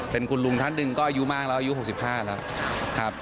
เป็นคุณลุงท่านหนึ่งก็อายุมากแล้วอายุ๖๕แล้วครับ